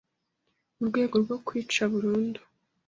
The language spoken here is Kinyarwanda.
mu rwego rwo kuyica. burundu